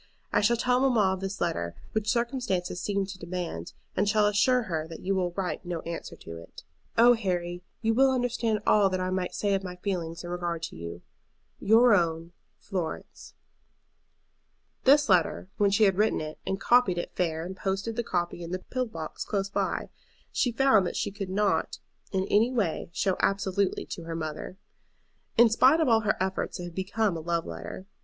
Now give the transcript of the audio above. I shall tell mamma of this letter, which circumstances seem to demand, and shall assure her that you will write no answer to it. "Oh, Harry, you will understand all that I might say of my feelings in regard to you. "Your own, FLORENCE." This letter, when she had written it and copied it fair and posted the copy in the pillar box close by, she found that she could not in any way show absolutely to her mother. In spite of all her efforts it had become a love letter.